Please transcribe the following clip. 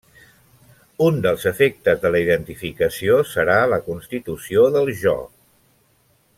Un dels efectes de la identificació serà la constitució del jo.